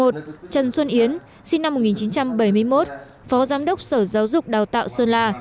một trần xuân yến sinh năm một nghìn chín trăm bảy mươi một phó giám đốc sở giáo dục đào tạo sơn la